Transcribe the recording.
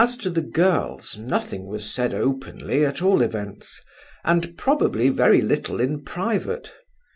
As to the girls, nothing was said openly, at all events; and probably very little in private.